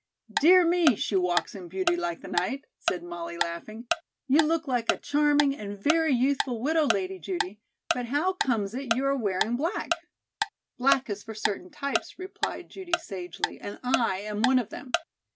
"Dear me, 'she walks in beauty like the night,'" said Molly laughing. "You look like a charming and very youthful widow lady, Judy, but how comes it you are wearing black?" "Black is for certain types," replied Judy sagely, "and I am one of them.